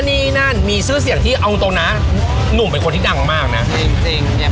นี่นั่นมีชื่อเสียงที่เอาตรงนะหนุ่มเป็นคนที่ดังมากนะจริงเนี่ย